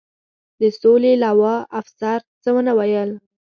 د سولې لوا، افسر څه و نه ویل.